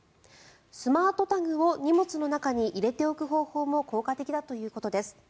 スマートタグを荷物の中に入れておく方法も効果的だということです。